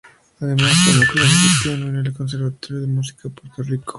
Además, tomó clases de piano en el Conservatorio de Música de Puerto Rico.